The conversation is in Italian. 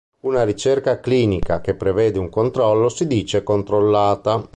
Una ricerca clinica che prevede un controllo si dice controllata.